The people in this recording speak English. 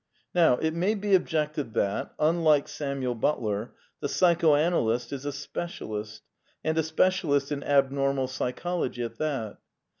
Now it may be objected that (unlike Samuel Butler) the psychoanalyst is a specialist, and a specialist in ab normal psychology at that.